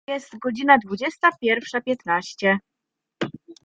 Jest godzina dwudziesta pierwsza piętnaście.